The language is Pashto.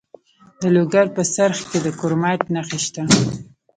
د لوګر په څرخ کې د کرومایټ نښې شته.